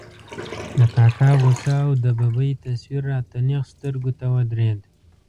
د کاکا غوسه او د ببۍ تصویر را ته نېغ سترګو ته ودرېد.